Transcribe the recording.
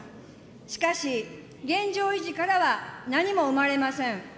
しかし、現状維持からは何も生まれません。